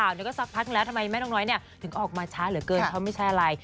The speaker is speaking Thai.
ก็สักพักนึงแล้วทำไมแม่นกน้อยถึงออกมาช้าเหลือเกินเพราะไม่ใช่อะไร